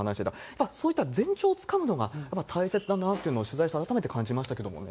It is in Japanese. やっぱりそういった前兆をつかむのがやっぱり大切だなというのを取材して、改めて感じましたけれどもね。